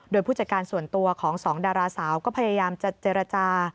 โดยผู้จัดการส่วนตัวของสองดาราสาวก็พยายามจะเจรจา